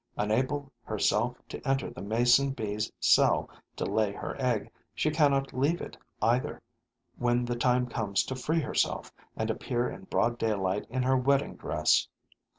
Unable herself to enter the Mason bee's cell to lay her egg, she cannot leave it either, when the time comes to free herself and appear in broad daylight in her wedding dress.